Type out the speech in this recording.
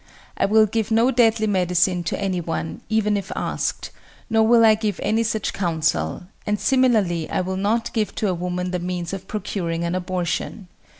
I will give no deadly medicine to any one, even if asked, nor will I give any such counsel, and similarly I will not give to a woman the means of procuring an abortion.